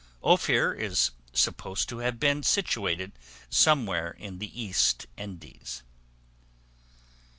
Ophir is supposed to have been situated somewhere in the East Indies.